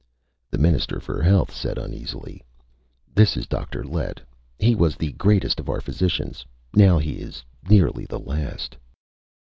The Minister for Health said uneasily: "This is Dr. Lett. He was the greatest of our physicians. Now he is nearly the last."